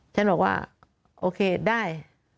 ฉันบอกว่าโอเคได้